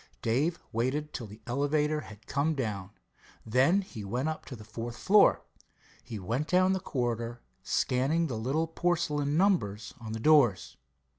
Dave waited till the elevator had come down. Then he went up to the fourth floor. He went down a corridor, scanning the little porcelain numbers on the doors.